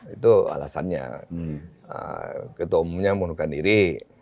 itu alasannya ketua umumnya mengundurkan diri